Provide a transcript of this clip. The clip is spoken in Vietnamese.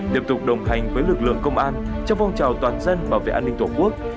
tiếp tục đồng hành với lực lượng công an trong phong trào toàn dân bảo vệ an ninh tổ quốc